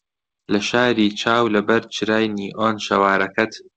لە شاری چاو لەبەر چرای نیئۆن شەوارەکەت